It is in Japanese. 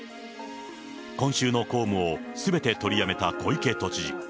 今週の公務をすべて取りやめた小池知事。